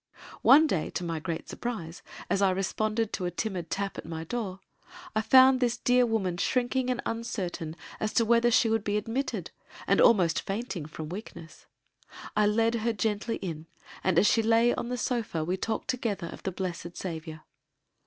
One day to my great surprise as I responded to a timid tap at my door, I found this dear woman shrinking and uncertain as to whether she would be admitted, and almost fainting from weakness. I led her gently in and as she lay on the sofa we talked together of the blessed Saviour.